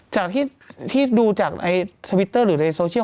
จากที่ดูจากในสวิตเตอร์หรือในโซเชียล